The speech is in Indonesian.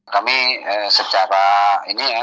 kami secara ini ya